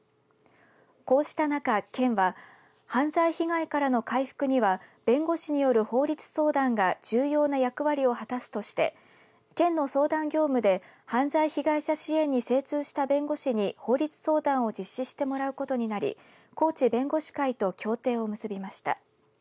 こうした中、県は犯罪被害からの回復には弁護士による法律相談が重要な役割を果たすとして県の相談業務で犯罪被害者支援に精通した弁護士に法律相談を実施してもらうことになり高知弁護士会と協定を結びました。